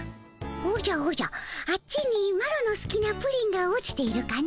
おじゃおじゃあっちにマロのすきなプリンが落ちているかの？